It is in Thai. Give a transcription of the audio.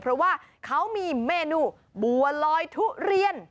เพราะว่าเขามีเมนูบัวลอยทุเรียน